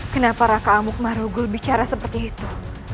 kenapa raka amuk marogul bicara seperti itu